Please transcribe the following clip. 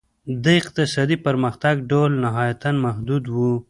د اقتصادي پرمختګ ډول نهایتاً محدود و.